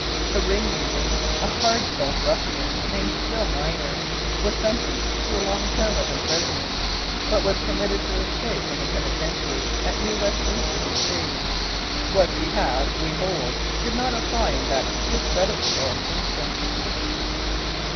The ringleader, a hardened old ruffian named Bill Miner, was sentenced to a long term of imprisonment, but was permitted to escape from the penitentiary at New Westminster, B.C. "What we have we hold" did not apply in that discreditable instance.